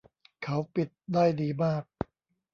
เขาปิดได้ดีมาก